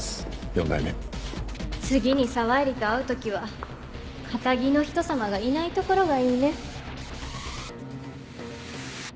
四代目次に沢入と会う時はカタギの人さまがいない所がいいね。